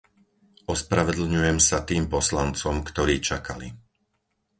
Ospravedlňujem sa tým poslancom, ktorí čakali.